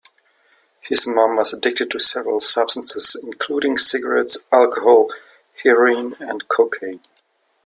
His mom was addicted to several substances including cigarettes, alcohol, heroin, and cocaine.